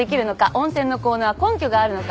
温泉の効能は根拠があるのか。